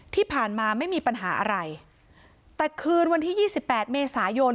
ที่ผ่านมาไม่มีปัญหาอะไรแต่คืนวันที่๒๘เมษายน